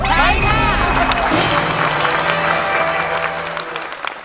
ใช่ค่ะ